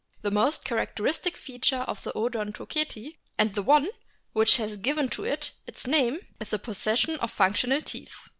The most characteristic feature of the Oclontoceti, and the one which has given to it its name, is the possession of functional teeth.